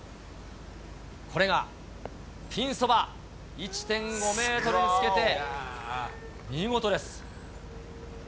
これがピンそば１．５メートルにつけて、見事です。